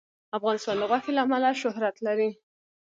افغانستان د غوښې له امله شهرت لري.